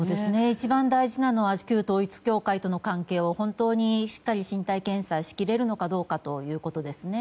一番大事なのは旧統一教会との関係を本当にしっかり身体検査しきれるのかということですね。